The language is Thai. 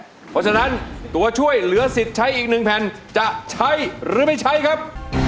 เพราะฉะนั้นตัวช่วยเหลือสิทธิ์ใช้อีกหนึ่งแผ่นจะใช้หรือไม่ใช้ครับ